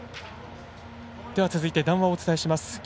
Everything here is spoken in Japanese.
続いて、談話をお伝えします。